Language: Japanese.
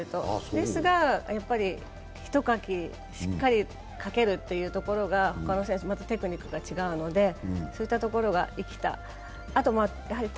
ですが、やっぱり１かき、しっかりかけるところが他の選手とテクニックが違うのでそういったところが生きたんですね。